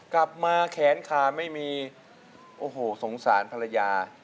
กลับมาแขนขาไม่มีโอ้โหสงสารภรรยา